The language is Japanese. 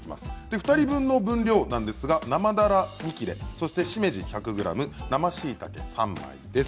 ２人分の分量ですが生だら２切れしめじ１００ｇ生しいたけ３枚です。